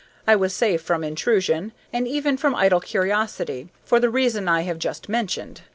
I was safe from intrusion, and even from idle curiosity, for the reason I have just mentioned.